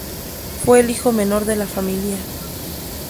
Fue el hijo menor de la familia.